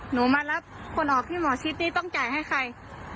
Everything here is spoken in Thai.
หนูมารับคนออกที่หมอชิดนี่ต้องจ่ายให้ใคร